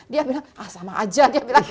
dia bilang ah sama aja